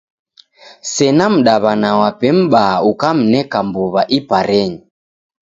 Sena mdaw'ana wape m'baa ukamneka mbuw'a iparenyi.